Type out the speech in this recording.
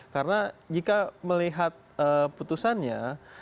karena jika melihat putusannya